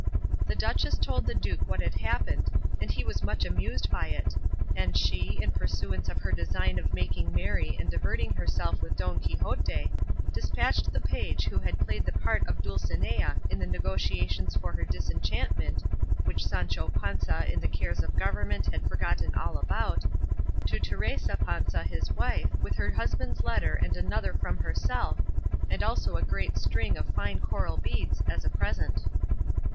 The duchess told the duke what had happened, and he was much amused by it; and she, in pursuance of her design of making merry and diverting herself with Don Quixote, despatched the page who had played the part of Dulcinea in the negotiations for her disenchantment (which Sancho Panza in the cares of government had forgotten all about) to Teresa Panza his wife with her husband's letter and another from herself, and also a great string of fine coral beads as a present.